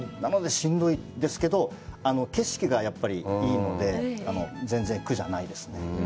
しんどいですけど、景色がやっぱりいいので、全然苦じゃないです。